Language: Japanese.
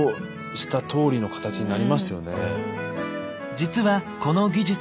実はこの技術